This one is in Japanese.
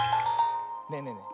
ねえねえねえ